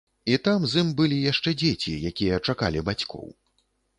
І там з ім былі яшчэ дзеці, якія чакалі бацькоў.